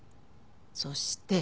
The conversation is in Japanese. そして。